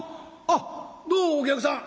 「あっどうもお客さん。